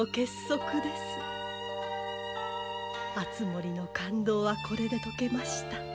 敦盛の勘当はこれで解けました。